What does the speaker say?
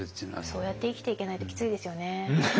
そうやって生きていけないときついですよね。